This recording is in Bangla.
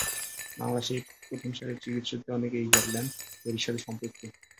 বাংলাদেশের প্রথম সারির চিকিৎসকদের অনেকে এই গাইডলাইন তৈরির সাথে সম্পৃক্ত।